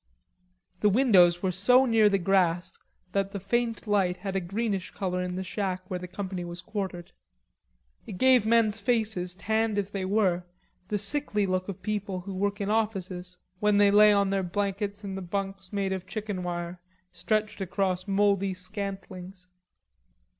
The windows were so near the grass that the faint light had a greenish color in the shack where the company was quartered. It gave men's faces, tanned as they were, the sickly look of people who work in offices, when they lay on their blankets in the bunks made of chicken wire, stretched across mouldy scantlings.